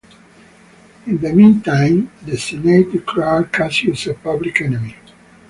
In the meantime, the Senate declared Cassius a public enemy.